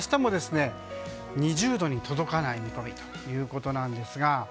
これによって明日も２０度に届かない見込みということです。